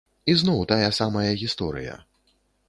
Ізноў тая самая гісторыя!